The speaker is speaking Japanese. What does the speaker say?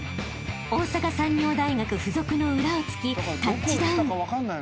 ［大阪産業大学附属の裏をつきタッチダウン］